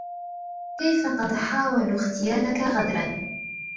كيف قد حاولوا اغتيالك غدرا